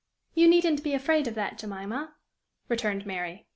"You needn't be afraid of that, Jemima," returned Mary.